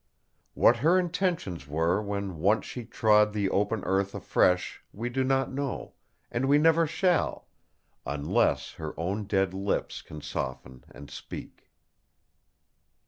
"What her intentions were when once she trod the open earth afresh we do not know, and we never shall, unless her own dead lips can soften and speak."